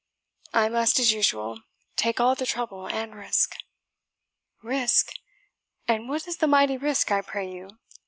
I must, as usual, take all the trouble and risk." "Risk! and what is the mighty risk, I pray you?"